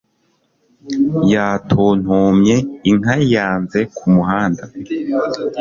Yatontomye inka hanze kumuhanda